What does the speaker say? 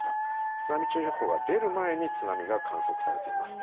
津波注意報が出る前に津波が観測されています。